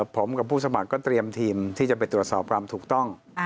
ผมกับผู้สมัครก็เตรียมทีมที่จะไปตรวจสอบความถูกต้อง